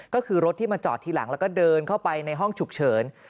ก็คือรถที่มาจอดทีหลังแล้วก็เดินเข้าไปในห้องฉุกเฉิน